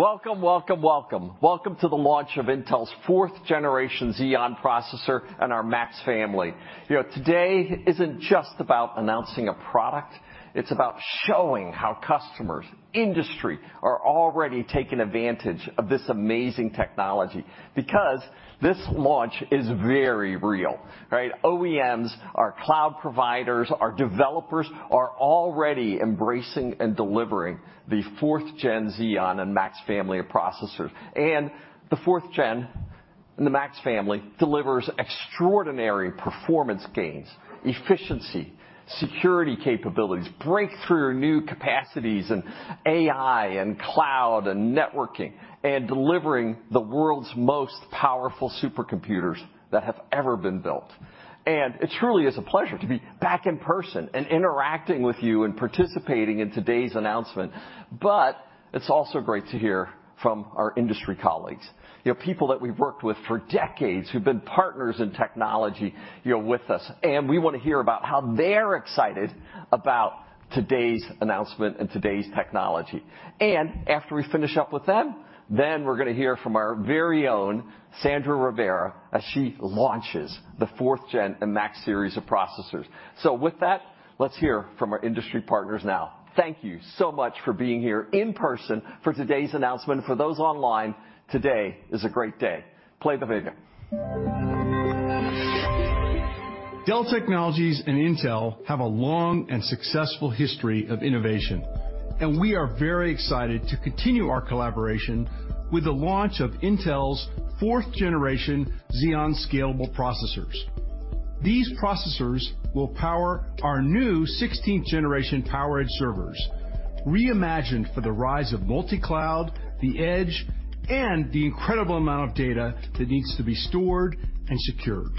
Welcome, welcome. Welcome to the launch of Intel's 4th generation Xeon processor and our Max family. You know, today isn't just about announcing a product, it's about showing how customers, industry, are already taking advantage of this amazing technology. This launch is very real, right? OEMs, our cloud providers, our developers are already embracing and delivering the 4th-gen Xeon and Max family of processors. The 4th-gen and the Max family delivers extraordinary performance gains, efficiency, security capabilities, breakthrough new capacities in AI and cloud and networking, and delivering the world's most powerful supercomputers that have ever been built. It truly is a pleasure to be back in person and interacting with you and participating in today's announcement. It's also great to hear from our industry colleagues. You know, people that we've worked with for decades, who've been partners in technology, you know, with us. We wanna hear about how they're excited about today's announcement and today's technology. After we finish up with them, then we're gonna hear from our very own Sandra Rivera, as she launches the fourth gen and Max series of processors. With that, let's hear from our industry partners now. Thank you so much for being here in person for today's announcement. For those online, today is a great day. Play the video. Dell Technologies and Intel have a long and successful history of innovation. We are very excited to continue our collaboration with the launch of Intel's fourth generation Xeon scalable processors. These processors will power our new sixteenth generation PowerEdge servers, reimagined for the rise of multi-cloud, the edge, and the incredible amount of data that needs to be stored and secured.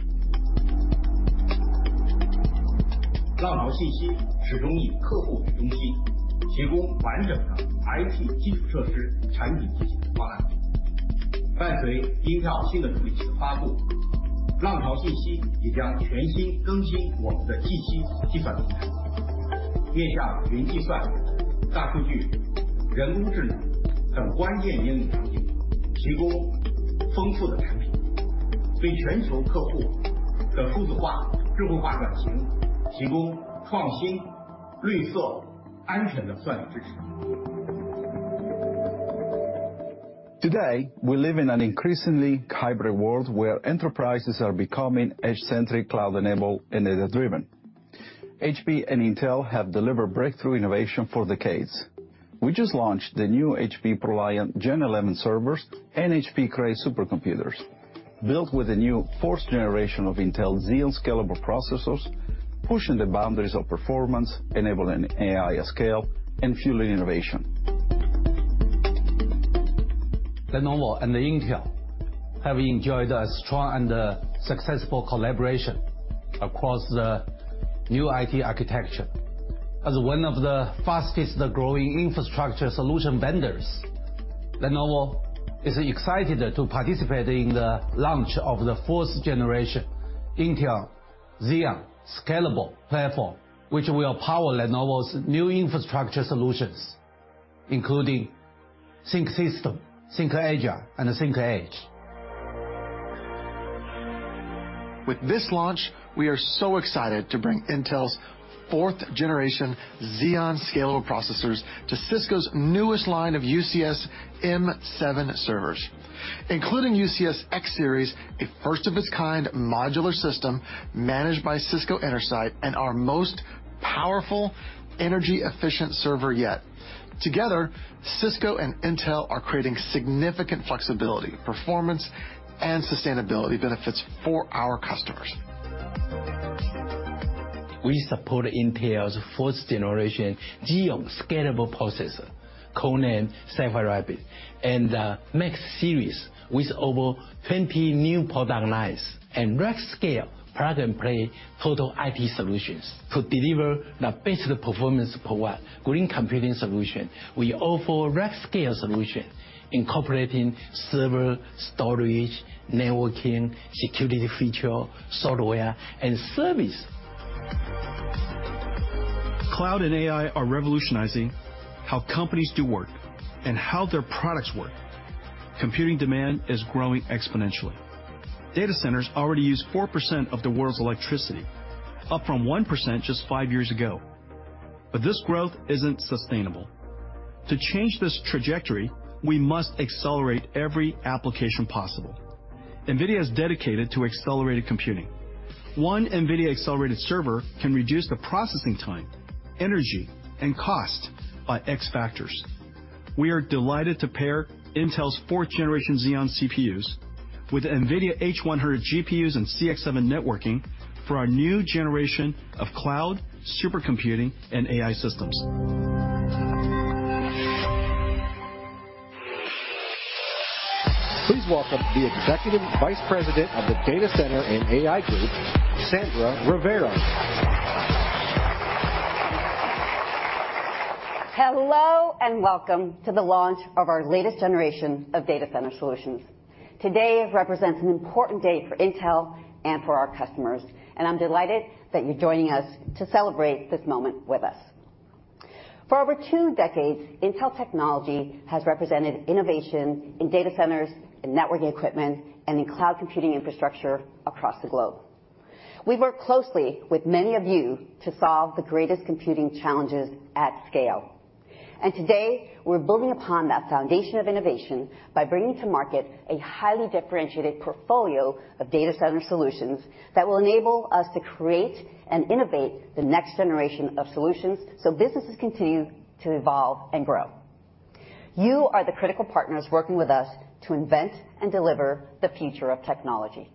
Today, we live in an increasingly hybrid world where enterprises are becoming edge-centric, cloud-enabled, and data-driven. HP and Intel have delivered breakthrough innovation for decades. We just launched the new HPE ProLiant Gen11 servers and HPE Cray supercomputers, built with the new fourth generation of Intel Xeon scalable processors, pushing the boundaries of performance, enabling AI scale, and fueling innovation. Lenovo and Intel have enjoyed a strong and successful collaboration across the new IT architecture. As one of the fastest growing infrastructure solution vendors, Lenovo is excited to participate in the launch of the fourth generation Intel Xeon scalable platform, which will power Lenovo's new infrastructure solutions, including ThinkSystem, ThinkAgile, and ThinkEdge. With this launch, we are so excited to bring Intel's fourth generation Xeon Scalable processors to Cisco's newest line of UCS M7 servers, including UCS X-Series, a first of its kind modular system managed by Cisco Intersight and our most powerful energy-efficient server yet. Together, Cisco and Intel are creating significant flexibility, performance, and sustainability benefits for our customers. We support Intel's 4th generation Xeon Scalable processor, codename Sapphire Rapids, and Max Series with over 20 new product lines and rack scale plug and play total IT solutions to deliver the best performance per watt green computing solution. We offer rack scale solutions incorporating server, storage, networking, security feature, software and service. Cloud and AI are revolutionizing how companies do work and how their products work. Computing demand is growing exponentially. Data centers already use 4% of the world's electricity, up from 1% just five years ago. This growth isn't sustainable. To change this trajectory, we must accelerate every application possible. NVIDIA is dedicated to accelerated computing. One NVIDIA accelerated server can reduce the processing time, energy, and cost by X factors. We are delighted to pair Intel's 4th generation Xeon CPUs with NVIDIA H100 GPUs and ConnectX-7 networking for our new generation of cloud, supercomputing, and AI systems. Please welcome the Executive Vice President of the Data Center and AI Group, Sandra Rivera. Hello, and welcome to the launch of our latest generation of data center solutions. Today represents an important day for Intel and for our customers, and I'm delighted that you're joining us to celebrate this moment with us. For over two decades, Intel technology has represented innovation in data centers and networking equipment, and in cloud computing infrastructure across the globe. We work closely with many of you to solve the greatest computing challenges at scale. Today, we're building upon that foundation of innovation by bringing to market a highly differentiated portfolio of data center solutions that will enable us to create and innovate the next generation of solutions so businesses continue to evolve and grow. You are the critical partners working with us to invent and deliver the future of technology.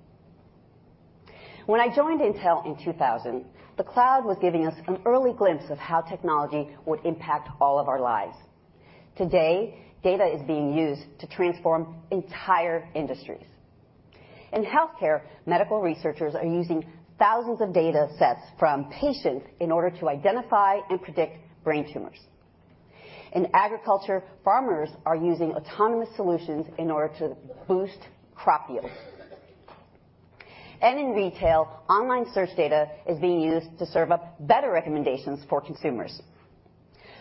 When I joined Intel in 2000, the cloud was giving us an early glimpse of how technology would impact all of our lives. Today, data is being used to transform entire industries. In healthcare, medical researchers are using thousands of datasets from patients in order to identify and predict brain tumors. In agriculture, farmers are using autonomous solutions in order to boost crop yield. In retail, online search data is being used to serve up better recommendations for consumers.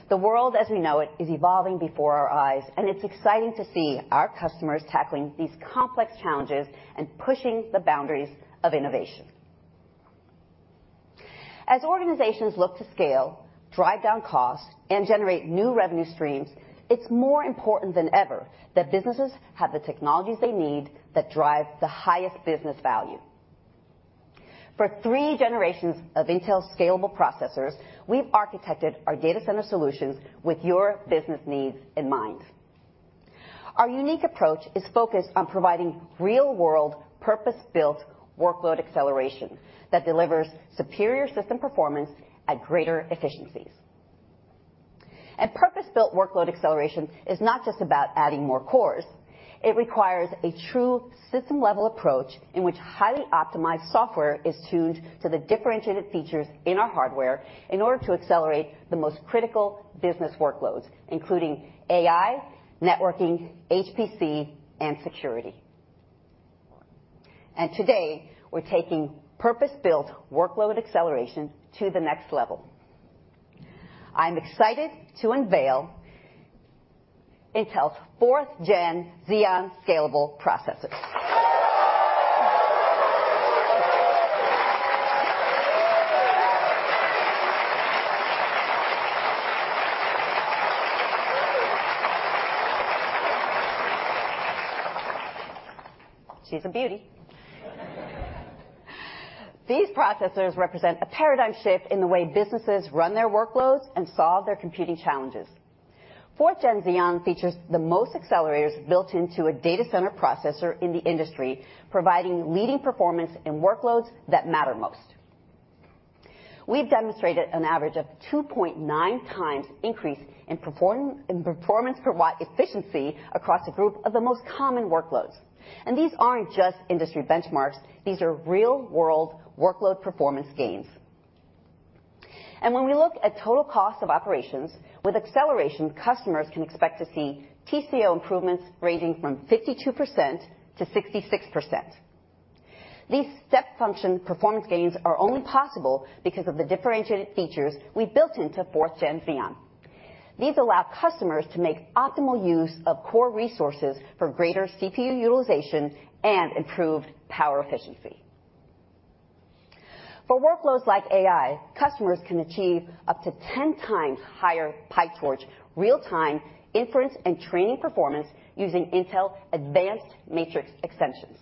The world as we know it is evolving before our eyes, it's exciting to see our customers tackling these complex challenges and pushing the boundaries of innovation. As organizations look to scale, drive down costs, and generate new revenue streams, it's more important than ever that businesses have the technologies they need that drive the highest business value. For three generations of Intel scalable processors, we've architected our data center solutions with your business needs in mind. Our unique approach is focused on providing real-world, purpose-built workload acceleration that delivers superior system performance at greater efficiencies. Purpose-built workload acceleration is not just about adding more cores. It requires a true system-level approach in which highly optimized software is tuned to the differentiated features in our hardware in order to accelerate the most critical business workloads, including AI, networking, HPC, and security. Today, we're taking purpose-built workload acceleration to the next level. I'm excited to unveil Intel's 4th-gen Xeon scalable processors. She's a beauty. These processors represent a paradigm shift in the way businesses run their workloads and solve their computing challenges. 4th-gen Xeon features the most accelerators built into a data center processor in the industry, providing leading performance and workloads that matter most. We've demonstrated an average of 2.9 times increase in performance per watt efficiency across a group of the most common workloads. These aren't just industry benchmarks, these are real-world workload performance gains. When we look at total cost of operations, with acceleration, customers can expect to see TCO improvements ranging from 52% to 66%. These step function performance gains are only possible because of the differentiated features we built into 4th-gen Xeon. These allow customers to make optimal use of core resources for greater CPU utilization and improved power efficiency. For workloads like AI, customers can achieve up to 10 times higher PyTorch real-time inference and training performance using Intel Advanced Matrix Extensions.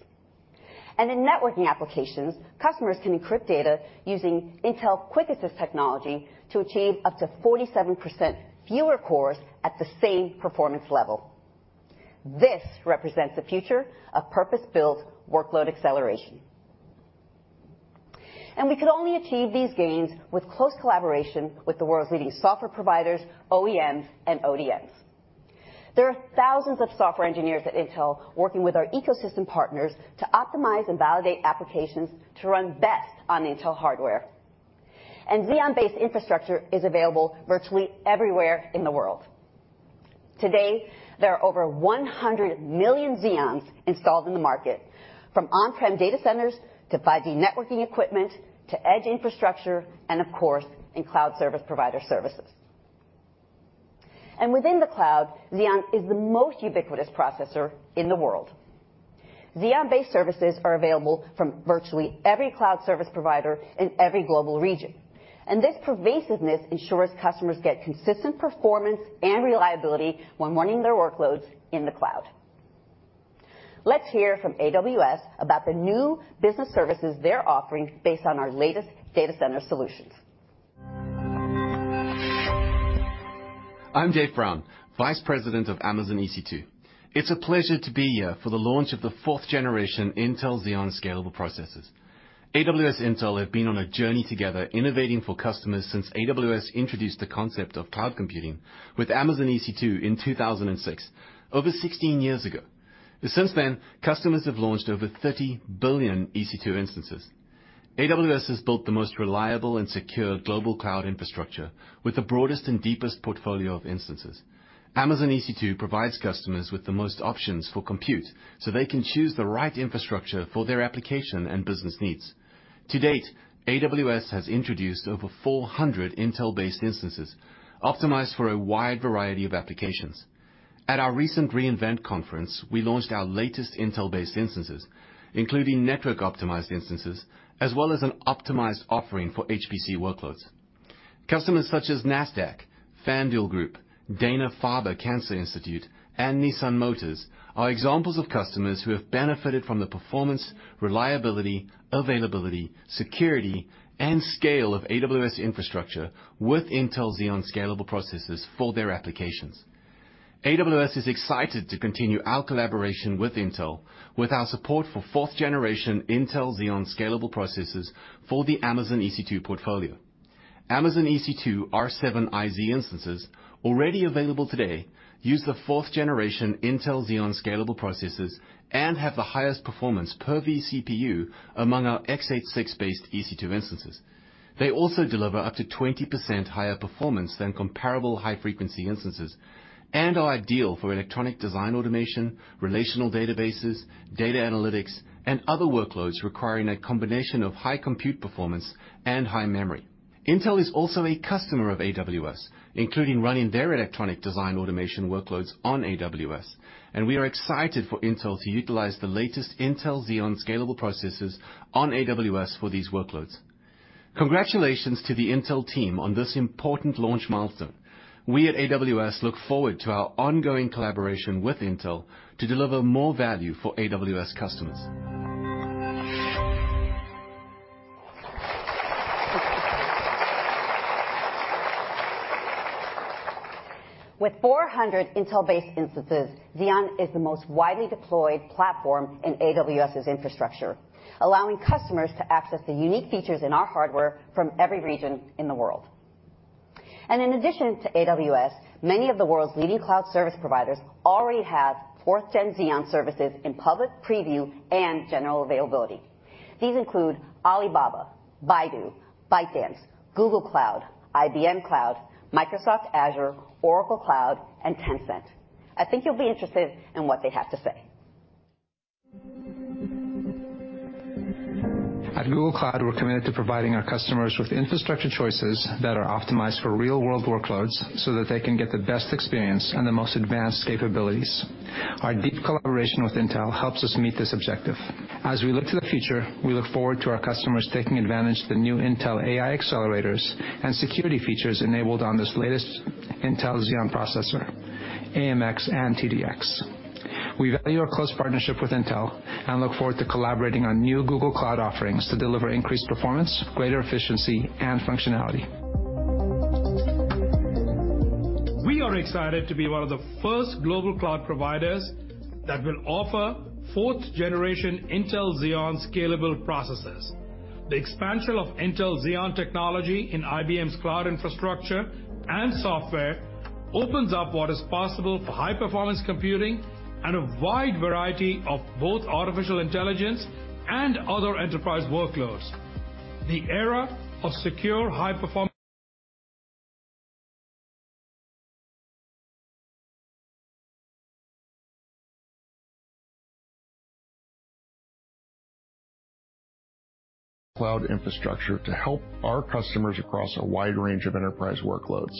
In networking applications, customers can encrypt data using Intel Quick Assist Technology to achieve up to 47% fewer cores at the same performance level. This represents the future of purpose-built workload acceleration. We could only achieve these gains with close collaboration with the world's leading software providers, OEMs and ODMs. There are thousands of software engineers at Intel working with our ecosystem partners to optimize and validate applications to run best on Intel hardware. Xeon-based infrastructure is available virtually everywhere in the world. Today, there are over 100 million Xeons installed in the market, from on-prem data centers to 5G networking equipment, to edge infrastructure and of course, in cloud service provider services. Within the cloud, Xeon is the most ubiquitous processor in the world. Xeon-based services are available from virtually every cloud service provider in every global region, and this pervasiveness ensures customers get consistent performance and reliability when running their workloads in the cloud. Let's hear from AWS about the new business services they're offering based on our latest data center solutions. I'm Dave Brown, Vice President of Amazon EC2. It's a pleasure to be here for the launch of the fourth generation Intel Xeon scalable processors. AWS Intel have been on a journey together innovating for customers since AWS introduced the concept of cloud computing with Amazon EC2 in 2006, over 16 years ago. Since then, customers have launched over 30 billion EC2 instances. AWS has built the most reliable and secure global cloud infrastructure with the broadest and deepest portfolio of instances. Amazon EC2 provides customers with the most options for compute so they can choose the right infrastructure for their application and business needs. To date, AWS has introduced over 400 Intel-based instances optimized for a wide variety of applications. At our recent re:Invent conference, we launched our latest Intel-based instances, including network optimized instances, as well as an optimized offering for HPC workloads. Customers such as Nasdaq, FanDuel Group, Dana-Farber Cancer Institute, and Nissan Motor are examples of customers who have benefited from the performance, reliability, availability, security, and scale of AWS infrastructure with Intel Xeon scalable processors for their applications. AWS is excited to continue our collaboration with Intel with our support for fourth generation Intel Xeon scalable processors for the Amazon EC2 portfolio. Amazon EC2 R7iz instances, already available today, use the fourth generation Intel Xeon scalable processors and have the highest performance per VCPU among our X86-based EC2 instances. They also deliver up to 20% higher performance than comparable high-frequency instances and are ideal for electronic design automation, relational databases, data analytics, and other workloads requiring a combination of high compute performance and high memory. Intel is also a customer of AWS, including running their electronic design automation workloads on AWS, and we are excited for Intel to utilize the latest Intel Xeon scalable processors on AWS for these workloads. Congratulations to the Intel team on this important launch milestone. We at AWS look forward to our ongoing collaboration with Intel to deliver more value for AWS customers. With 400 Intel-based instances, Xeon is the most widely deployed platform in AWS's infrastructure, allowing customers to access the unique features in our hardware from every region in the world. In addition to AWS, many of the world's leading cloud service providers already have 4th gen Xeon services in public preview and general availability. These include Alibaba, Baidu, ByteDance, Google Cloud, IBM Cloud, Microsoft Azure, Oracle Cloud, and Tencent. I think you'll be interested in what they have to say. At Google Cloud, we're committed to providing our customers with infrastructure choices that are optimized for real-world workloads so that they can get the best experience and the most advanced capabilities. Our deep collaboration with Intel helps us meet this objective. As we look to the future, we look forward to our customers taking advantage of the new Intel AI accelerators and security features enabled on this latest Intel Xeon processor, AMX and TDX. We value our close partnership with Intel and look forward to collaborating on new Google Cloud offerings to deliver increased performance, greater efficiency, and functionality. We are excited to be one of the first global cloud providers that will offer 4th generation Intel Xeon scalable processors. The expansion of Intel Xeon technology in IBM's cloud infrastructure and software opens up what is possible for high-performance computing and a wide variety of both artificial intelligence and other enterprise workloads. The era of secure high-performance. Cloud infrastructure to help our customers across a wide range of enterprise workloads.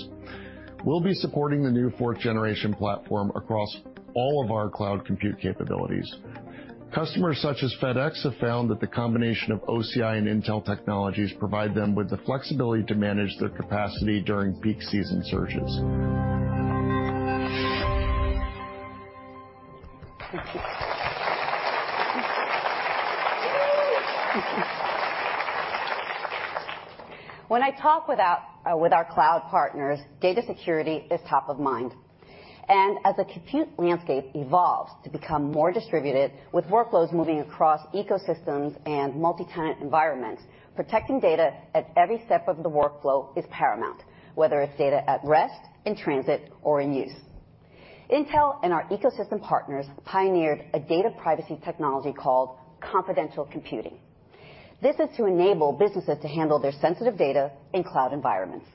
We'll be supporting the new fourth generation platform across all of our cloud compute capabilities. Customers such as FedEx have found that the combination of OCI and Intel technologies provide them with the flexibility to manage their capacity during peak season surges. When I talk with our cloud partners, data security is top of mind. As the compute landscape evolves to become more distributed with workloads moving across ecosystems and multi-tenant environments, protecting data at every step of the workflow is paramount, whether it's data at rest, in transit or in use. Intel and our ecosystem partners pioneered a data privacy technology called Confidential Computing. This is to enable businesses to handle their sensitive data in cloud environments.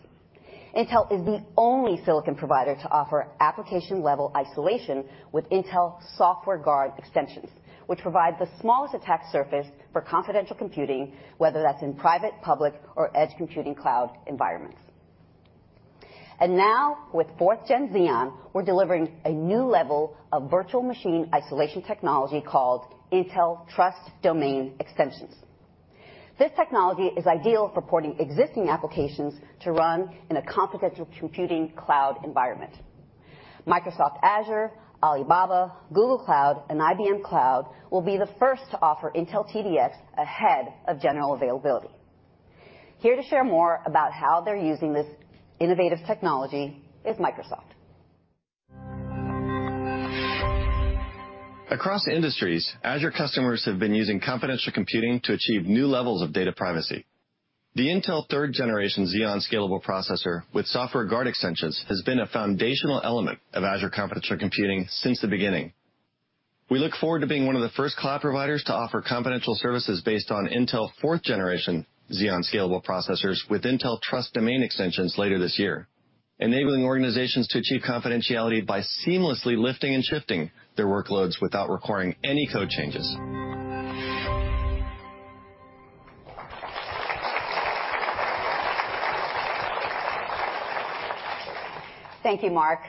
Intel is the only silicon provider to offer application-level isolation with Intel Software Guard Extensions, which provide the smallest attack surface for confidential computing, whether that's in private, public or edge computing cloud environments. Now with 4th gen Xeon, we're delivering a new level of virtual machine isolation technology called Intel Trust Domain Extensions. This technology is ideal for porting existing applications to run in a confidential computing cloud environment. Microsoft Azure, Alibaba, Google Cloud, and IBM Cloud will be the first to offer Intel TDX ahead of general availability. Here to share more about how they're using this innovative technology is Microsoft. Across industries, Azure customers have been using Confidential Computing to achieve new levels of data privacy. The Intel third generation Xeon scalable processor with Software Guard Extensions has been a foundational element of Azure Confidential Computing since the beginning. We look forward to being one of the first cloud providers to offer confidential services based on Intel 4th generation Xeon Scalable processors with Intel® Trust Domain Extensions later this year, enabling organizations to achieve confidentiality by seamlessly lifting and shifting their workloads without requiring any code changes. Thank you, Mark.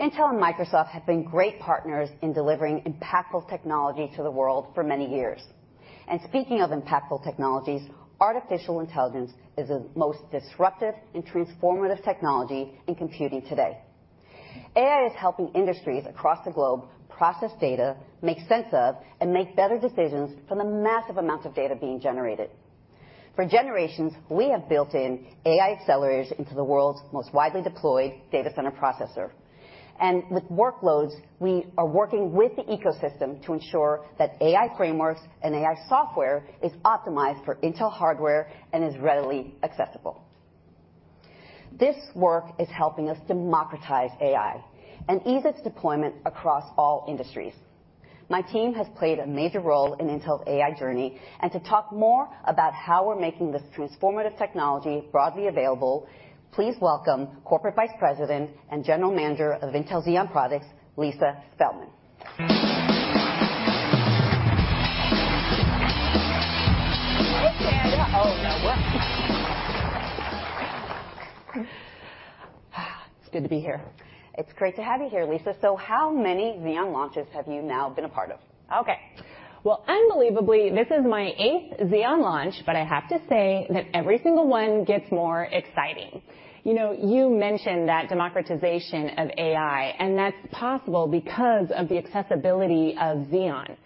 Intel and Microsoft have been great partners in delivering impactful technology to the world for many years. Speaking of impactful technologies, artificial intelligence is the most disruptive and transformative technology in computing today. AI is helping industries across the globe process data, make sense of, and make better decisions from the massive amounts of data being generated. For generations, we have built in AI accelerators into the world's most widely deployed data center processor. With workloads, we are working with the ecosystem to ensure that AI frameworks and AI software is optimized for Intel hardware and is readily accessible. This work is helping us democratize AI and ease its deployment across all industries. My team has played a major role in Intel's AI journey, and to talk more about how we're making this transformative technology broadly available, please welcome Corporate Vice President and General Manager of Intel Xeon products, Lisa Spelman. Hey, Hind. Oh. It's good to be here. It's great to have you here, Lisa Spelman. How many Xeon launches have you now been a part of? Okay. Well, unbelievably, this is my 8th Xeon launch. I have to say that every single one gets more exciting. You know, you mentioned that democratization of AI. That's possible because of the accessibility of Xeon.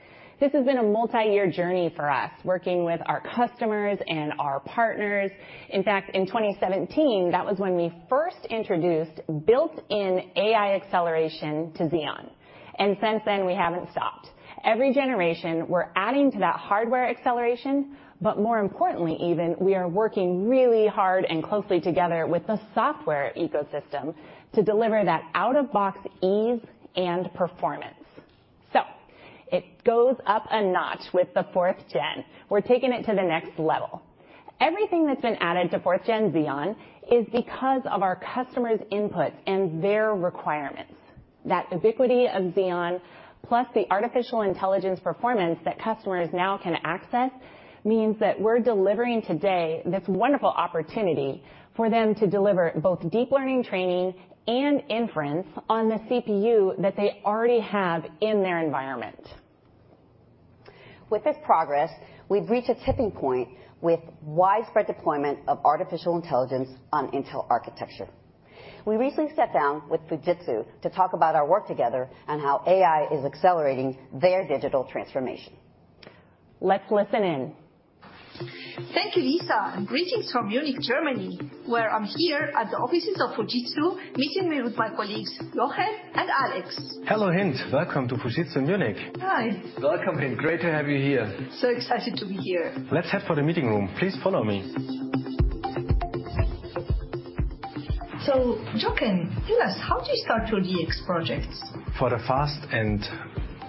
This has been a multi-year journey for us, working with our customers and our partners. In fact, in 2017, that was when we first introduced built-in AI acceleration to Xeon. Since then, we haven't stopped. Every generation, we're adding to that hardware acceleration. More importantly even, we are working really hard and closely together with the software ecosystem to deliver that out-of-box ease and performance. It goes up a notch with the 4th Gen. We're taking it to the next level. Everything that's been added to 4th Gen Xeon is because of our customers' inputs and their requirements. That ubiquity of Xeon, plus the artificial intelligence performance that customers now can access, means that we're delivering today this wonderful opportunity for them to deliver both deep learning training and inference on the CPU that they already have in their environment. With this progress, we've reached a tipping point with widespread deployment of artificial intelligence on Intel architecture. We recently sat down with Fujitsu to talk about our work together and how AI is accelerating their digital transformation. Let's listen in. Thank you, Lisa, and greetings from Munich, Germany, where I'm here at the offices of Fujitsu, meeting with my colleagues, Jochen and Alex. Hello, Hind. Welcome to Fujitsu Munich. Hi. Welcome, Hind. Great to have you here. Excited to be here. Let's head for the meeting room. Please follow me. Jochen, tell us, how do you start your DX projects? For the fast and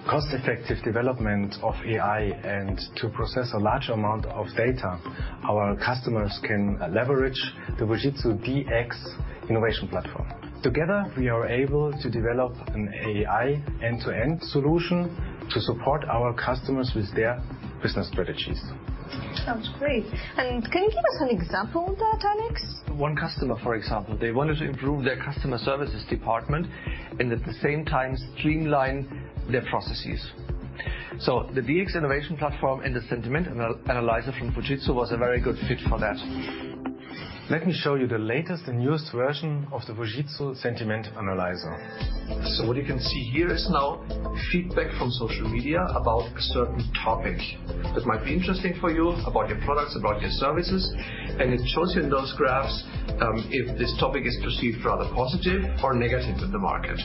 cost-effective development of AI and to process a large amount of data, our customers can leverage the Fujitsu DX Innovation Platform. Together, we are able to develop an AI end-to-end solution to support our customers with their business strategies. Sounds great. Can you give us an example of that, Alex? One customer, for example, they wanted to improve their customer services department and at the same time streamline their processes. The DX Innovation Platform and the Sentiment Analyzer from Fujitsu was a very good fit for that. Let me show you the latest and newest version of the Fujitsu Sentiment Analyzer. What you can see here is now feedback from social media about a certain topic that might be interesting for you, about your products, about your services, and it shows you in those graphs, if this topic is perceived rather positive or negative to the market.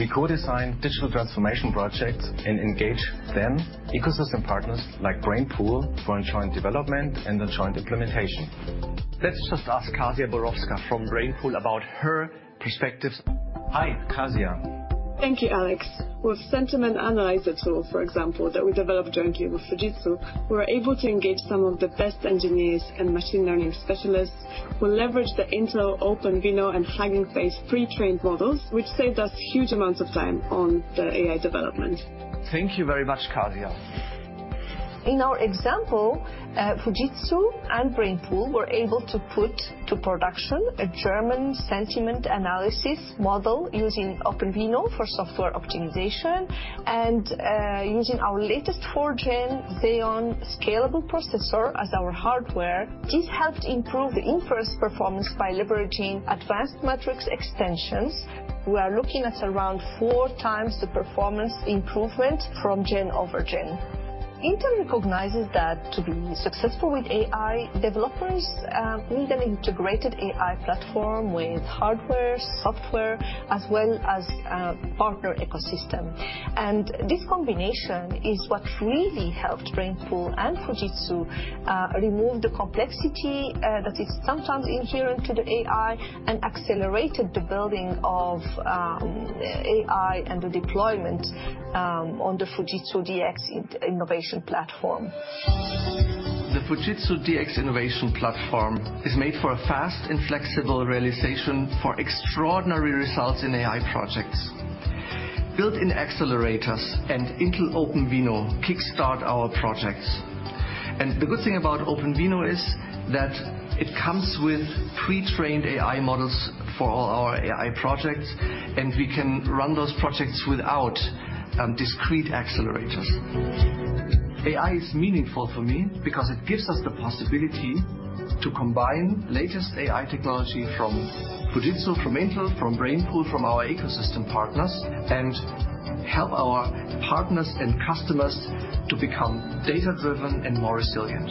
We co-design digital transformation projects and engage then ecosystem partners like Brainpool for joint development and then joint implementation. Let's just ask Kasia Borowska from Brainpool about her perspectives. Hi, Kasia. Thank you, Alex. With Sentiment Analyzer tool, for example, that we developed jointly with Fujitsu, we were able to engage some of the best engineers and machine learning specialists who leveraged the Intel OpenVINO and Hugging Face pre-trained models, which saved us huge amounts of time on the AI development. Thank you very much, Kasia. In our example, Fujitsu and Brainpool were able to put to production a German sentiment analysis model using OpenVINO for software optimization and using our latest 4th gen Xeon Scalable processor as our hardware. This helped improve the inference performance by leveraging Advanced Matrix Extensions. We are looking at around 4 times the performance improvement from gen-over-gen. Intel recognizes that to be successful with AI, developers need an integrated AI platform with hardware, software, as well as a partner ecosystem. This combination is what really helped Brainpool and Fujitsu remove the complexity that is sometimes inherent to the AI and accelerated the building of AI and the deployment on the Fujitsu DX Innovation Platform. The Fujitsu DX Innovation Platform is made for a fast and flexible realization for extraordinary results in AI projects. Built-in accelerators and Intel OpenVINO kickstart our projects. The good thing about OpenVINO is that it comes with pre-trained AI models for all our AI projects, and we can run those projects without discrete accelerators. AI is meaningful for me because it gives us the possibility to combine latest AI technology from Fujitsu, from Intel, from Brainpool, from our ecosystem partners, and help our partners and customers to become data-driven and more resilient.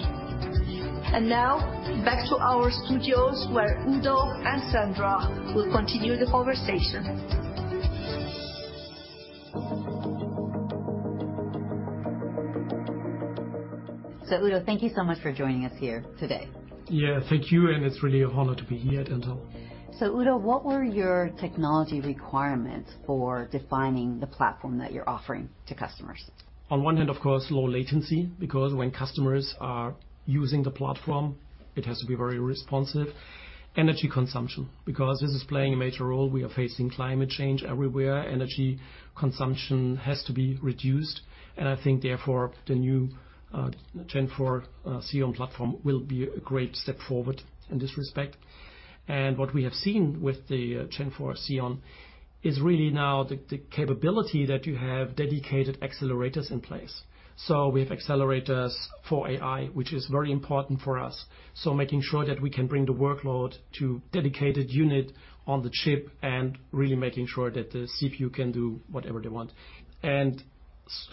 Now back to our studios where Udo and Sandra will continue the conversation. Udo, thank you so much for joining us here today. Yeah, thank you, and it's really a honor to be here at Intel. Udo, what were your technology requirements for defining the platform that you're offering to customers? On one hand, of course, low latency, because when customers are using the platform, it has to be very responsive. Energy consumption, because this is playing a major role. We are facing climate change everywhere. Energy consumption has to be reduced. I think therefore, the new 4th Gen Xeon platform will be a great step forward in this respect. What we have seen with the 4th Gen Xeon is really now the capability that you have dedicated accelerators in place. We have accelerators for AI, which is very important for us, so making sure that we can bring the workload to dedicated unit on the chip and really making sure that the CPU can do whatever they want.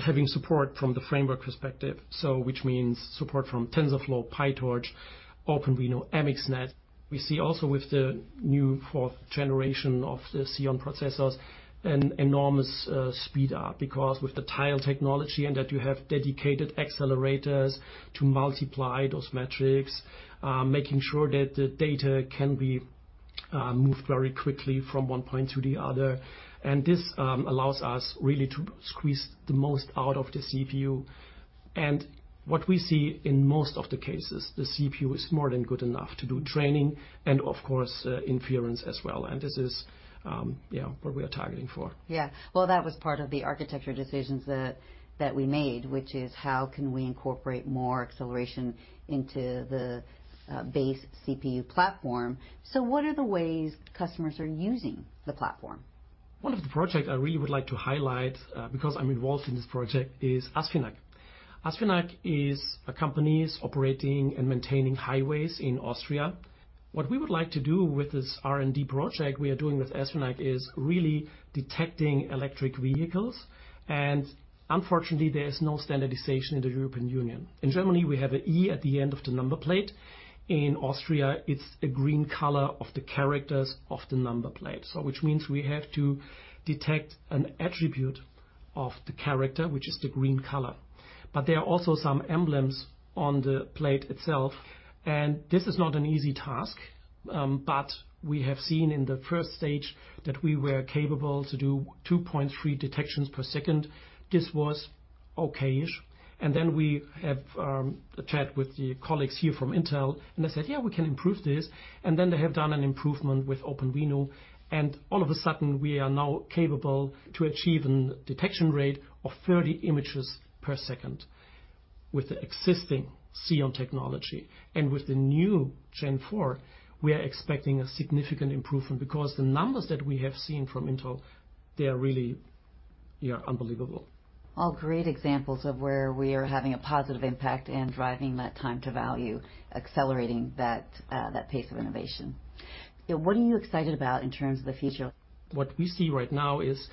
Having support from the framework perspective, which means support from TensorFlow, PyTorch, OpenVINO, MXNet. We see also with the new 4th generation of the Xeon processors an enormous speed up because with the tile technology and that you have dedicated accelerators to multiply those metrics, making sure that the data can be moved very quickly from one point to the other. This allows us really to squeeze the most out of the CPU. What we see in most of the cases, the CPU is more than good enough to do training and, of course, inference as well. This is, yeah, what we are targeting for. Yeah. Well, that was part of the architecture decisions that we made, which is how can we incorporate more acceleration into the base CPU platform. What are the ways customers are using the platform? One of the project I really would like to highlight, because I'm involved in this project is ASFINAG. ASFINAG is a company's operating and maintaining highways in Austria. What we would like to do with this R&D project we are doing with ASFINAG is really detecting electric vehicles. Unfortunately, there is no standardization in the European Union. In Germany, we have an E at the end of the number plate. In Austria, it's a green color of the characters of the number plate. Which means we have to detect an attribute of the character, which is the green color. There are also some emblems on the plate itself, and this is not an easy task. We have seen in the first stage that we were capable to do 2.3 detections per second. This was okay-ish. We have a chat with the colleagues here from Intel, and they said, "Yeah, we can improve this." They have done an improvement with OpenVINO, and all of a sudden we are now capable to achieve an detection rate of 30 images per second with the existing Xeon technology. With the new Gen four, we are expecting a significant improvement because the numbers that we have seen from Intel, they are really, yeah, unbelievable. All great examples of where we are having a positive impact and driving that time to value, accelerating that pace of innovation. What are you excited about in terms of the future? What we see right now is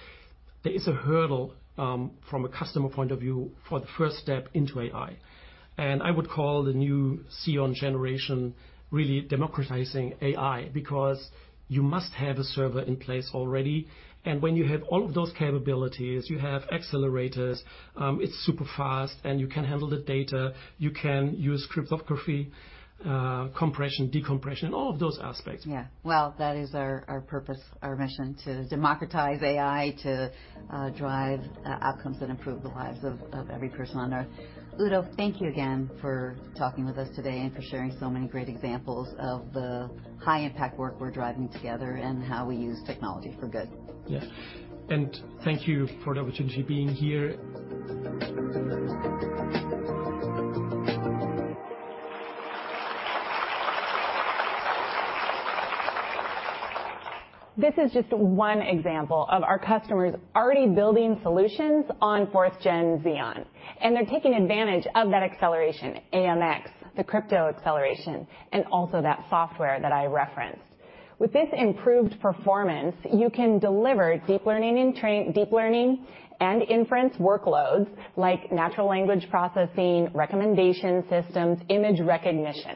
there is a hurdle, from a customer point of view for the first step into AI. I would call the new Xeon generation really democratizing AI because you must have a server in place already. When you have all of those capabilities, you have accelerators, it's super fast, and you can handle the data, you can use cryptography, compression, decompression, all of those aspects. Yeah. Well, that is our purpose, our mission to democratize AI, to drive outcomes that improve the lives of every person on Earth. Udo, thank you again for talking with us today and for sharing so many great examples of the high-impact work we're driving together and how we use technology for good. Yeah. Thank you for the opportunity being here. This is just one example of our customers already building solutions on 4th gen Xeon, and they're taking advantage of that acceleration, AMX, the crypto acceleration, and also that software that I referenced. With this improved performance, you can deliver deep learning and inference workloads like natural language processing, recommendation systems, image recognition.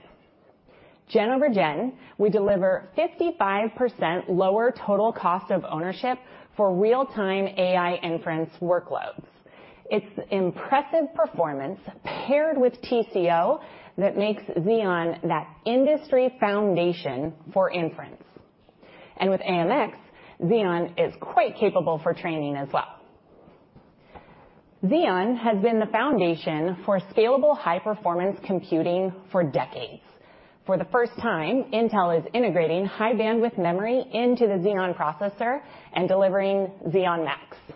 Gen over gen, we deliver 55% lower total cost of ownership for real-time AI inference workloads. It's impressive performance paired with TCO that makes Xeon that industry foundation for inference. With AMX, Xeon is quite capable for training as well. Xeon has been the foundation for scalable high performance computing for decades. For the first time, Intel is integrating high bandwidth memory into the Xeon processor and delivering Xeon Max. This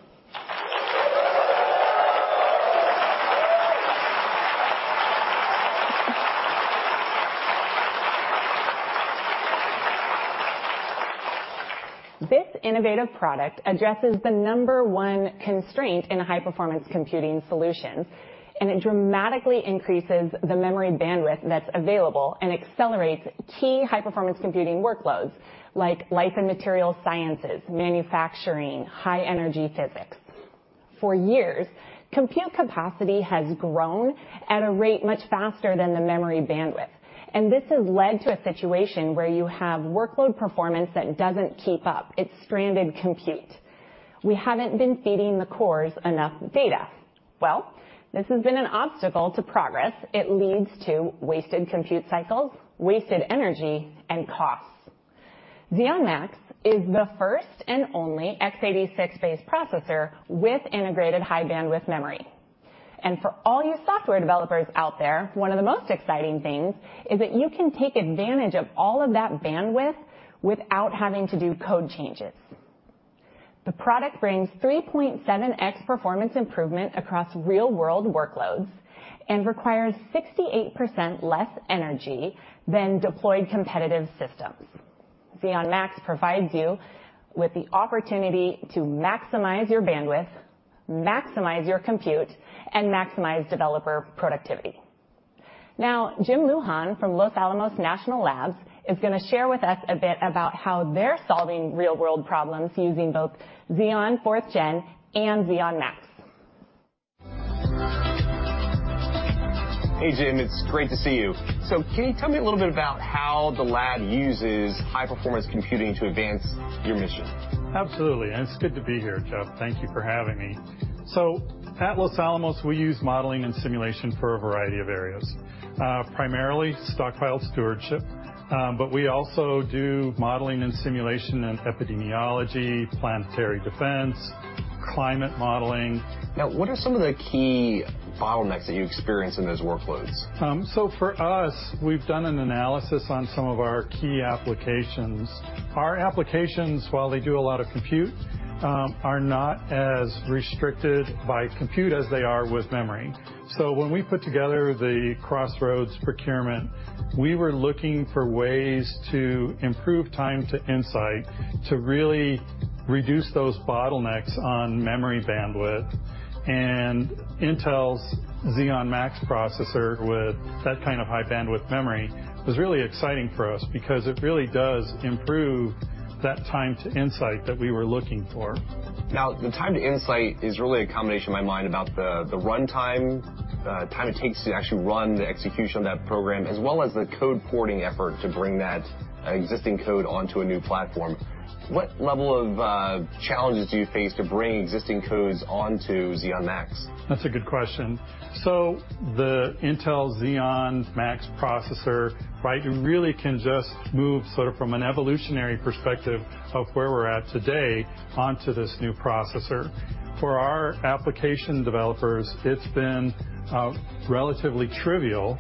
innovative product addresses the number one constraint in High Performance Computing solutions, and it dramatically increases the memory bandwidth that's available and accelerates key High Performance Computing workloads like life and materials sciences, manufacturing, high energy physics. For years, compute capacity has grown at a rate much faster than the memory bandwidth. This has led to a situation where you have workload performance that doesn't keep up. It's stranded compute. We haven't been feeding the cores enough data. Well, this has been an obstacle to progress. It leads to wasted compute cycles, wasted energy and costs. Xeon Max is the first and only X86-based processor with integrated High Bandwidth Memory. And for all you software developers out there, one of the most exciting things is that you can take advantage of all of that bandwidth without having to do code changes. The product brings 3.7x performance improvement across real-world workloads and requires 68% less energy than deployed competitive systems. Xeon Max provides you with the opportunity to maximize your bandwidth, maximize your compute, and maximize developer productivity. Now, Jim Lujan from Los Alamos National Labs is gonna share with us a bit about how they're solving real-world problems using both Xeon 4th gen and Xeon Max. Hey, Jim, it's great to see you. Can you tell me a little bit about how the lab uses high performance computing to advance your mission? Absolutely. It's good to be here, Jeff. Thank you for having me. At Los Alamos, we use modeling and simulation for a variety of areas, primarily stockpile stewardship, but we also do modeling and simulation in epidemiology, planetary defense, climate modeling. What are some of the key bottlenecks that you experience in those workloads? For us, we've done an analysis on some of our key applications. Our applications, while they do a lot of compute, are not as restricted by compute as they are with memory. When we put together the Crossroads procurement, we were looking for ways to improve time to insight, to really reduce those bottlenecks on memory bandwidth. Intel's Xeon Max processor with that kind of High Bandwidth Memory was really exciting for us because it really does improve that time to insight that we were looking for. The time to insight is really a combination in my mind about the runtime, time it takes to actually run the execution of that program, as well as the code porting effort to bring that existing code onto a new platform. What level of challenges do you face to bring existing codes onto Xeon Max? That's a good question. The Intel Xeon Max processor, you really can just move from an evolutionary perspective of where we're at today onto this new processor. For our application developers, it's been relatively trivial.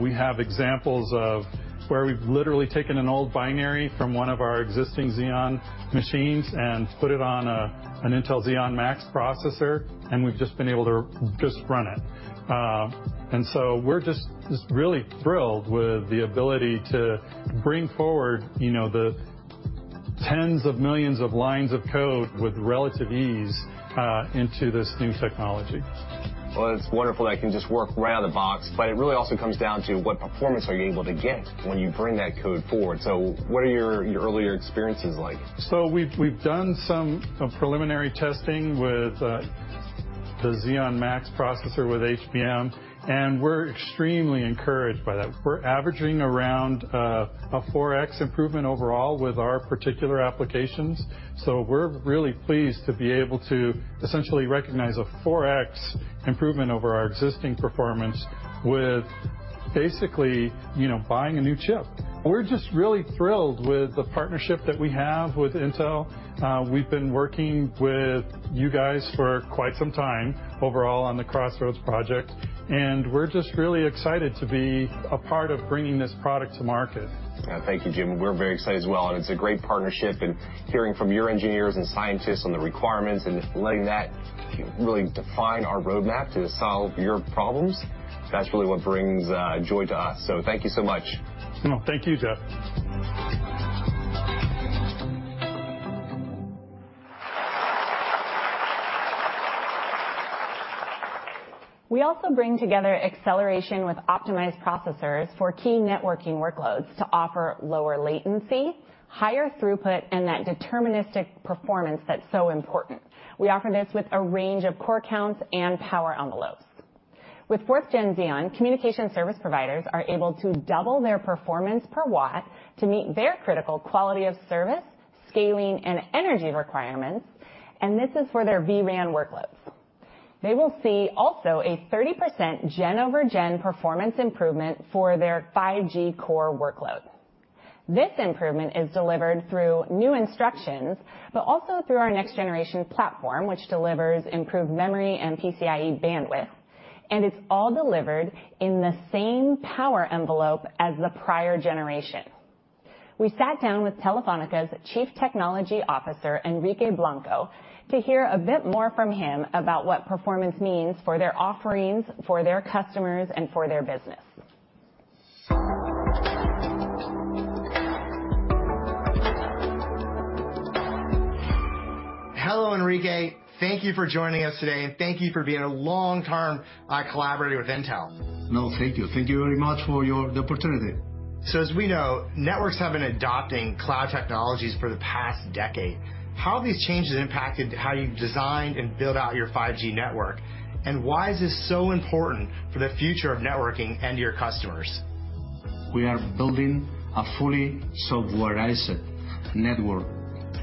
We have examples of where we've literally taken an old binary from one of our existing Xeon machines and put it on an Intel Xeon Max processor, and we've just been able to run it. We're just really thrilled with the ability to bring forward, you know, the tens of millions of lines of code with relative ease into this new technology. Well, it's wonderful that it can just work right out of the box, but it really also comes down to what performance are you able to get when you bring that code forward. What are your earlier experiences like? We've done some preliminary testing with the Xeon Max processor with HBM, and we're extremely encouraged by that. We're averaging around a 4X improvement overall with our particular applications. We're really pleased to be able to essentially recognize a 4X improvement over our existing performance with basically, you know, buying a new chip. We're just really thrilled with the partnership that we have with Intel. We've been working with you guys for quite some time overall on the Crossroads project, and we're just really excited to be a part of bringing this product to market. Thank you, Jim. We're very excited as well, and it's a great partnership and hearing from your engineers and scientists on the requirements and letting that really define our roadmap to solve your problems, that's really what brings joy to us. Thank you so much. No, thank you, Jeff. We also bring together acceleration with optimized processors for key networking workloads to offer lower latency, higher throughput, and that deterministic performance that's so important. We offer this with a range of core counts and power envelopes. With 4th Gen Xeon, communication service providers are able to double their performance per watt to meet their critical quality of service, scaling, and energy requirements, and this is for their vRAN workloads. They will see also a 30% gen over gen performance improvement for their 5G core workload. This improvement is delivered through new instructions, but also through our next generation platform, which delivers improved memory and PCIe bandwidth. It's all delivered in the same power envelope as the prior generation. We sat down with Telefónica's Chief Technology Officer, Enrique Blanco, to hear a bit more from him about what performance means for their offerings, for their customers, and for their business. Hello, Enrique. Thank you for joining us today, and thank you for being a long-term collaborator with Intel. No, thank you. Thank you very much for the opportunity. As we know, networks have been adopting cloud technologies for the past decade. How have these changes impacted how you've designed and built out your 5G network? Why is this so important for the future of networking and your customers? We are building a fully softwarized network.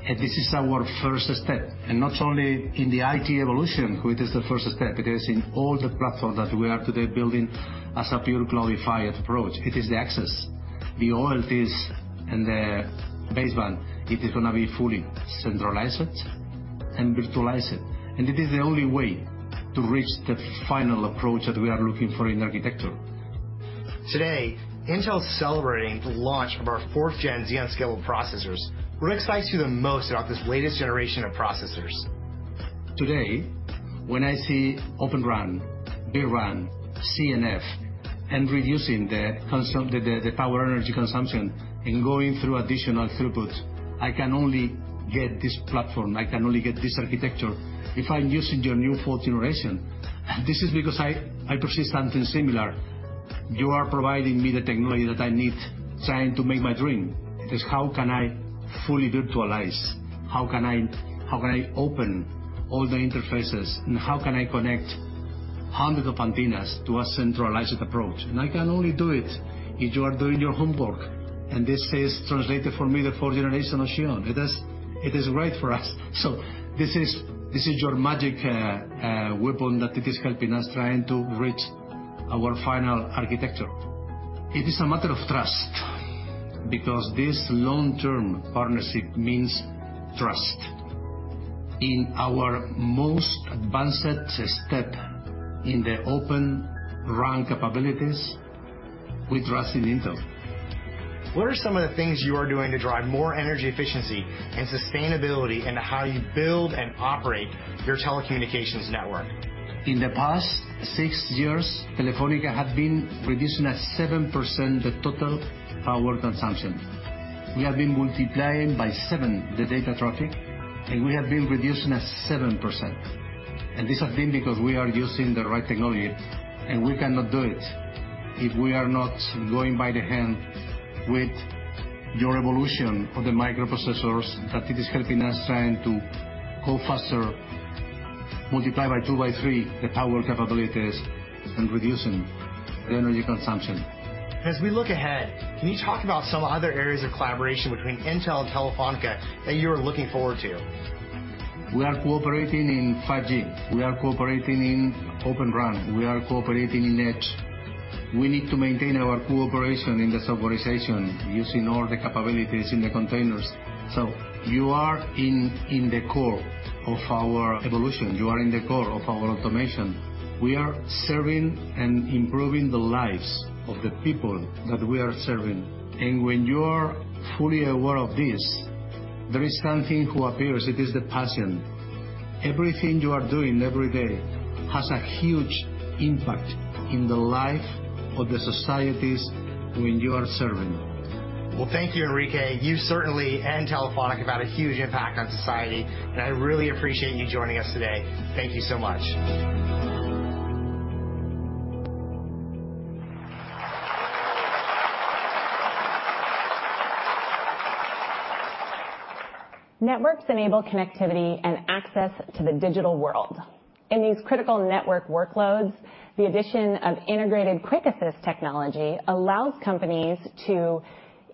This is our first step, not only in the IT evolution, which is the first step, it is in all the platforms that we are today building as a pure cloudified approach. It is the access. The OLTs and the base one, it is going to be fully centralized and virtualized. It is the only way to reach the final approach that we are looking for in architecture. Today, Intel is celebrating the launch of our 4th-gen Xeon Scalable processors. What excites you the most about this latest generation of processors? Today, when I see Open RAN, vRAN, CNF, reducing the power energy consumption and going through additional throughput, I can only get this platform, I can only get this architecture if I'm using your new fourth generation. This is because I persist something similar. You are providing me the technology that I need, trying to make my dream. It is how can I fully virtualize? How can I open all the interfaces? How can I connect hundreds of antennas to a centralized approach? I can only do it if you are doing your homework. This is translated for me the fourth generation of Xeon. It is great for us. This is your magic weapon that it is helping us trying to reach our final architecture. It is a matter of trust because this long-term partnership means trust. In our most advanced step in the Open RAN capabilities, we trust in Intel. What are some of the things you are doing to drive more energy efficiency and sustainability in how you build and operate your telecommunications network? In the past six years, Telefónica has been reducing at 7% the total power consumption. We have been multiplying by seven the data traffic, and we have been reducing at 7%. This has been because we are using the right technology, and we cannot do it if we are not going by the hand with your evolution of the microprocessors, that it is helping us trying to go faster, multiply by two by three the power capabilities, and reducing the energy consumption. As we look ahead, can you talk about some other areas of collaboration between Intel and Telefónica that you're looking forward to? We are cooperating in 5G. We are cooperating in Open RAN. We are cooperating in Edge. We need to maintain our cooperation in the softwarization, using all the capabilities in the containers. You are in the core of our evolution. You are in the core of our automation. We are serving and improving the lives of the people that we are serving. When you are fully aware of this, there is something who appears. It is the passion. Everything you are doing every day has a huge impact in the life of the societies whom you are serving. Well, thank you, Enrique. You certainly, and Telefónica, have had a huge impact on society, and I really appreciate you joining us today. Thank you so much. Networks enable connectivity and access to the digital world. In these critical network workloads, the addition of integrated QuickAssist Technology allows companies to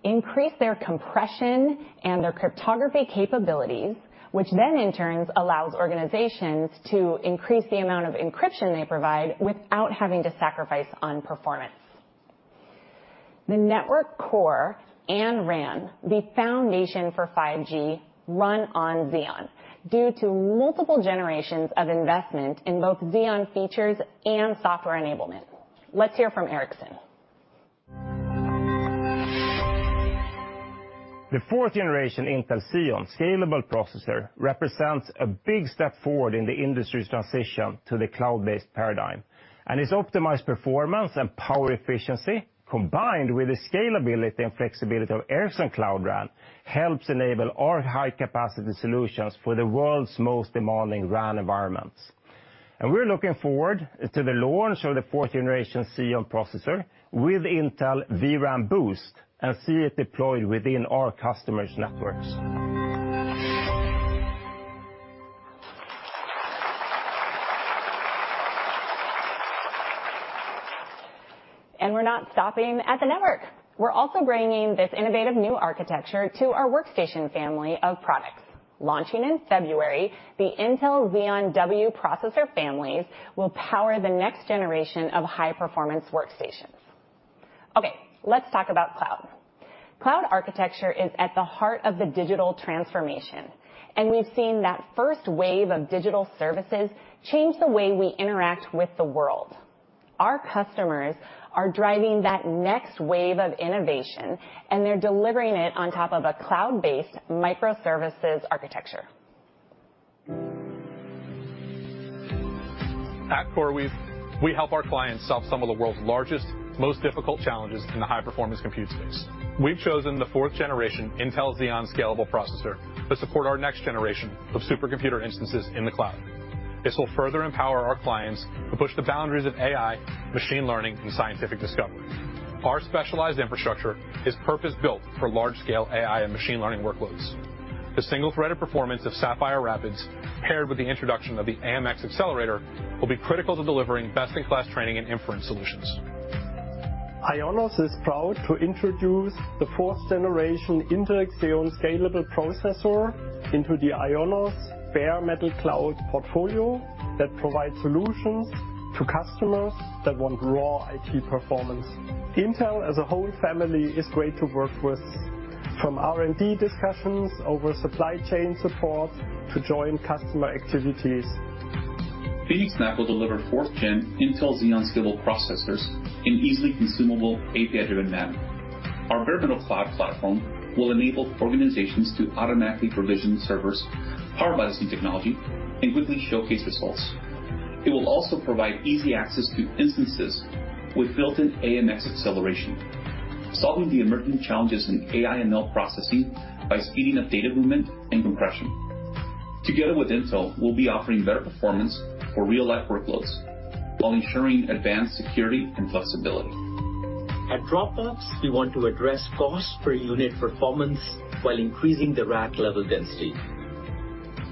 increase their compression and their cryptography capabilities, which then in turn allows organizations to increase the amount of encryption they provide without having to sacrifice on performance. The network core and RAN, the foundation for 5G, run on Xeon due to multiple generations of investment in both Xeon features and software enablement. Let's hear from Ericsson. The 4th Gen Intel Xeon Scalable processor represents a big step forward in the industry's transition to the cloud-based paradigm. Its optimized performance and power efficiency, combined with the scalability and flexibility of Ericsson Cloud RAN, helps enable our high-capacity solutions for the world's most demanding RAN environments. We're looking forward to the launch of the 4th Gen Xeon processor with Intel vRAN Boost and see it deployed within our customers' networks. We're not stopping at the network. We're also bringing this innovative new architecture to our workstation family of products. Launching in February, the Intel Xeon W processor families will power the next generation of high-performance workstations. Okay, let's talk about cloud. Cloud architecture is at the heart of the digital transformation, and we've seen that first wave of digital services change the way we interact with the world. Our customers are driving that next wave of innovation, and they're delivering it on top of a cloud-based microservices architecture. At CoreWeave, we help our clients solve some of the world's largest, most difficult challenges in the high-performance compute space. We've chosen the 4th generation Intel Xeon Scalable processor to support our next generation of supercomputer instances in the cloud. This will further empower our clients to push the boundaries of AI, machine learning, and scientific discovery. Our specialized infrastructure is purpose-built for large scale AI and machine learning workloads. The single threaded performance of Sapphire Rapids paired with the introduction of the AMX accelerator will be critical to delivering best-in-class training and inference solutions IONOS is proud to introduce the fourth generation Intel Xeon Scalable processor into the ionos bare metal cloud portfolio that provides solutions to customers that want raw IT performance. Intel as a whole family is great to work with from R&D discussions over supply chain support to join customer activities. phoenixNAP will deliver fourth gen Intel Xeon Scalable processors in easily consumable APN. Our bare metal cloud platform will enable organizations to automatically provision servers, powered by this new technology, and quickly showcase results. It will also provide easy access to instances with built-in AMX acceleration, solving the emerging challenges in AI and ML processing by speeding up data movement and compression. Together with Intel, we'll be offering better performance for real-life workloads while ensuring advanced security and flexibility. At Dropbox, we want to address cost per unit performance while increasing the rack level density.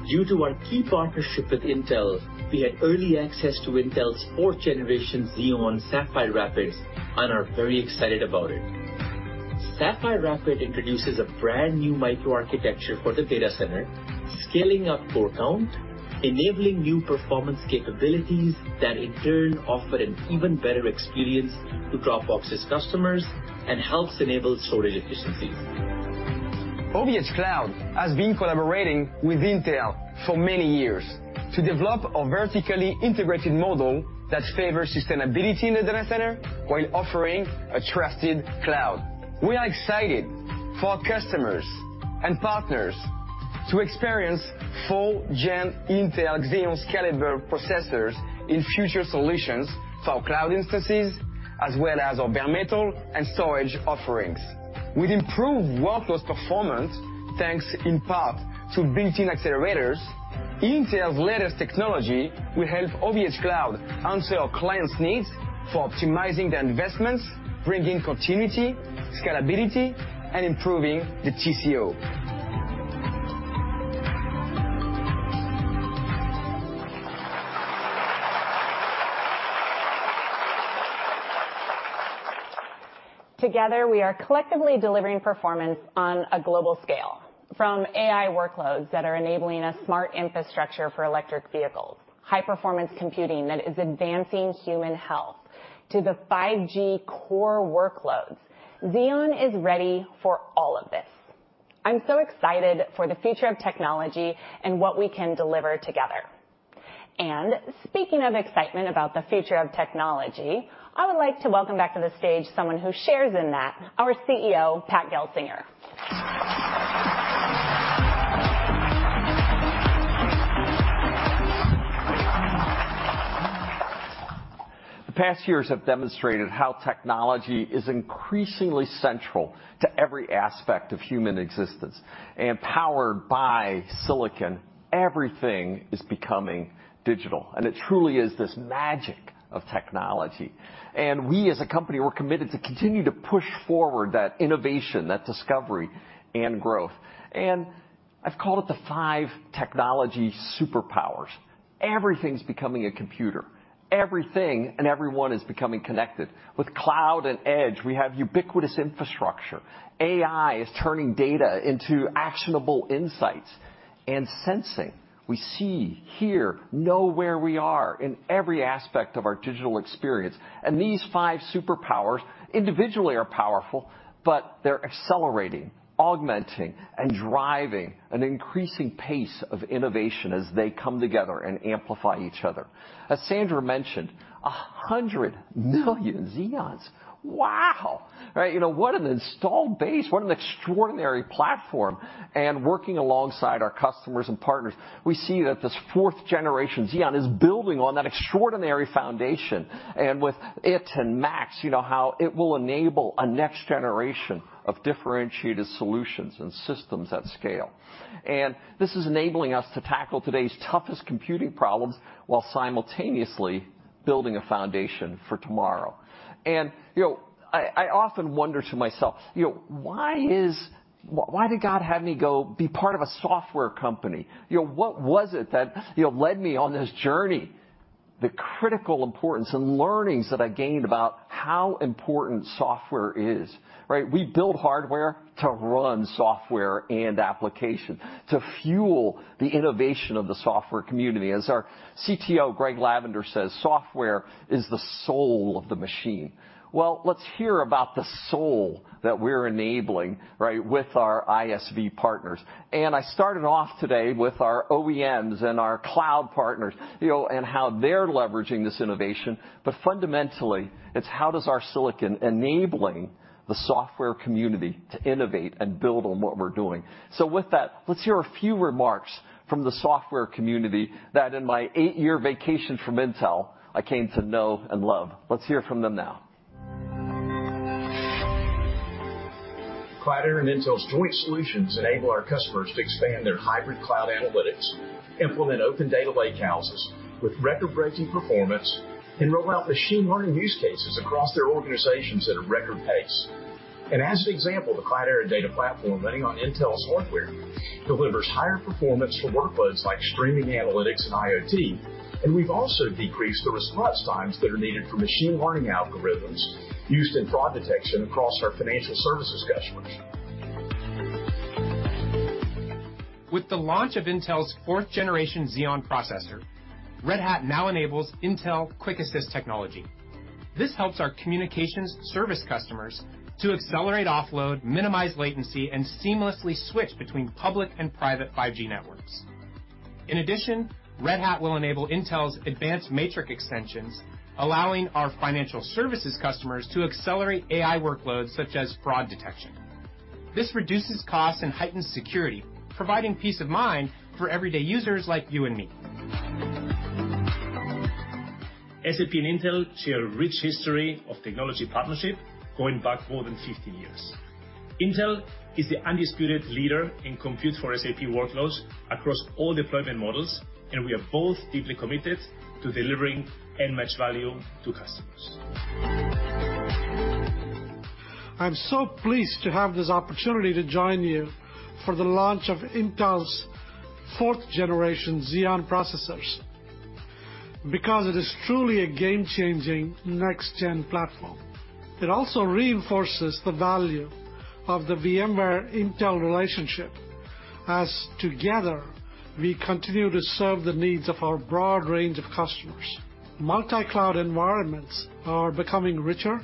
Due to our key partnership with Intel, we had early access to Intel's fourth generation Xeon Sapphire Rapids and are very excited about it. Sapphire Rapids introduces a brand new microarchitecture for the data center, scaling up core count, enabling new performance capabilities that in turn offer an even better experience to Dropbox's customers and helps enable storage efficiencies. OVHcloud has been collaborating with Intel for many years to develop a vertically integrated model that favors sustainability in the data center while offering a trusted cloud. We are excited for our customers and partners to experience full gen Intel Xeon Scalable processors in future solutions for our cloud instances, as well as our bare metal and storage offerings. With improved workloads performance, thanks in part to built-in accelerators, Intel's latest technology will help OVHcloud answer our clients' needs for optimizing their investments, bringing continuity, scalability, and improving the TCO. Together, we are collectively delivering performance on a global scale. From AI workloads that are enabling a smart infrastructure for electric vehicles, high-performance computing that is advancing human health, to the 5G core workloads. Xeon is ready for all of this. I'm so excited for the future of technology and what we can deliver together. Speaking of excitement about the future of technology, I would like to welcome back to the stage someone who shares in that, our CEO, Pat Gelsinger. The past years have demonstrated how technology is increasingly central to every aspect of human existence. Powered by silicon, everything is becoming digital, and it truly is this magic of technology. We as a company, we're committed to continue to push forward that innovation, that discovery and growth. I've called it the five technology superpowers. Everything's becoming a computer. Everything and everyone is becoming connected. With cloud and edge, we have ubiquitous infrastructure. AI is turning data into actionable insights. Sensing. We see, hear, know where we are in every aspect of our digital experience. These five superpowers individually are powerful, but they're accelerating, augmenting, and driving an increasing pace of innovation as they come together and amplify each other. As Sandra mentioned, 100 million Xeons. Wow. Right? You know, what an installed base, what an extraordinary platform. Working alongside our customers and partners, we see that this 4th generation Xeon is building on that extraordinary foundation. With it and Max, you know, how it will enable a next generation of differentiated solutions and systems at scale. This is enabling us to tackle today's toughest computing problems while simultaneously building a foundation for tomorrow. You know, I often wonder to myself, you know, why did God have me go be part of a software company? You know, what was it that, you know, led me on this journey. The critical importance and learnings that I gained about how important software is, right. We build hardware to run software and application, to fuel the innovation of the software community. As our CTO, Greg Lavender says, "Software is the soul of the machine." Well, let's hear about the soul that we're enabling, right, with our ISV partners. I started off today with our OEMs and our cloud partners, you know, and how they're leveraging this innovation. Fundamentally, it's how does our silicon enabling the software community to innovate and build on what we're doing. With that, let's hear a few remarks from the software community that in my eight-year vacation from Intel I came to know and love. Let's hear from them now. Cloudera and Intel's joint solutions enable our customers to expand their hybrid cloud analytics, implement open data lakehouse with record-breaking performance, and roll out machine learning use cases across their organizations at a record pace. As an example, the Cloudera Data Platform running on Intel's hardware delivers higher performance for workloads like streaming analytics and IoT. We've also decreased the response times that are needed for machine learning algorithms used in fraud detection across our financial services customers. With the launch of Intel's 4th generation Xeon processor, Red Hat now enables Intel QuickAssist Technology. This helps our communications service customers to accelerate offload, minimize latency, and seamlessly switch between public and private 5G networks. In addition, Red Hat will enable Intel Advanced Matrix Extensions, allowing our financial services customers to accelerate AI workloads such as fraud detection. This reduces costs and heightens security, providing peace of mind for everyday users like you and me. SAP and Intel share a rich history of technology partnership going back more than 50 years. Intel is the undisputed leader in compute for SAP workloads across all deployment models, and we are both deeply committed to delivering unmatched value to customers. I'm so pleased to have this opportunity to join you for the launch of Intel's 4th generation Xeon processors because it is truly a game-changing next gen platform. It also reinforces the value of the VMware Intel relationship as together, we continue to serve the needs of our broad range of customers. Multicloud environments are becoming richer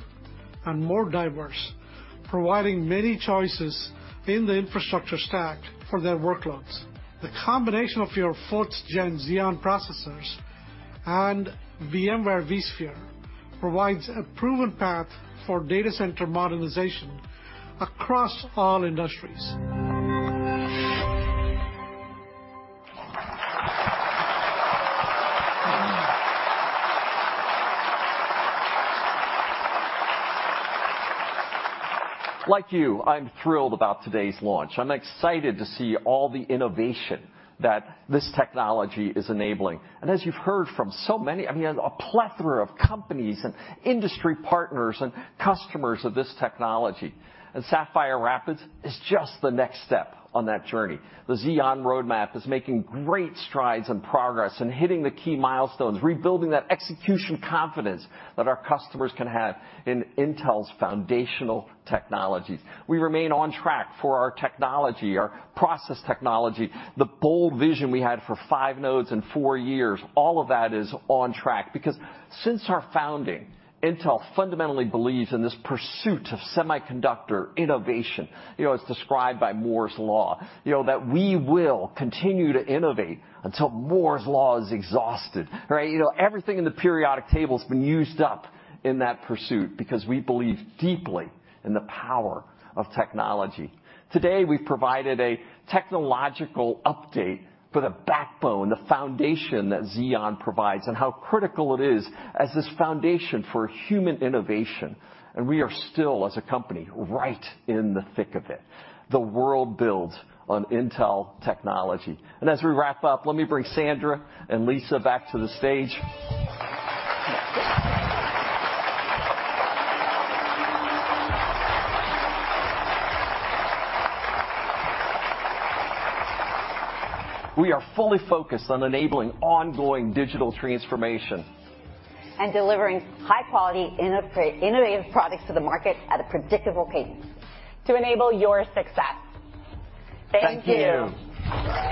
and more diverse, providing many choices in the infrastructure stack for their workloads. The combination of your 4th gen Xeon processors and VMware vSphere provides a proven path for data center modernization across all industries. Like you, I'm thrilled about today's launch. I'm excited to see all the innovation that this technology is enabling. As you've heard from so many, I mean, a plethora of companies and industry partners and customers of this technology. Sapphire Rapids is just the next step on that journey. The Xeon roadmap is making great strides and progress and hitting the key milestones, rebuilding that execution confidence that our customers can have in Intel's foundational technologies. We remain on track for our technology, our process technology. The bold vision we had for 5 nodes in 4 years, all of that is on track because since our founding, Intel fundamentally believes in this pursuit of semiconductor innovation. You know, it's described by Moore's Law, you know, that we will continue to innovate until Moore's Law is exhausted, right? You know, everything in the periodic table's been used up in that pursuit because we believe deeply in the power of technology. Today, we've provided a technological update for the backbone, the foundation that Xeon provides, and how critical it is as this foundation for human innovation. We are still, as a company, right in the thick of it. The world builds on Intel technology. As we wrap up, let me bring Sandra and Lisa back to the stage. We are fully focused on enabling ongoing digital transformation. delivering high quality innovative products to the market at a predictable pace. To enable your success. Thank you. Thank you.